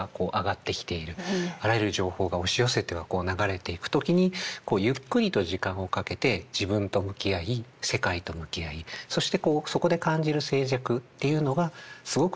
あらゆる情報が押し寄せては流れていく時にゆっくりと時間をかけて自分と向き合い世界と向き合いそしてそこで感じる静寂っていうのがすごく